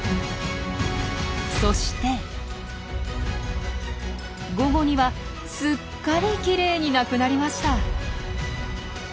そして午後にはすっかりきれいになくなりました。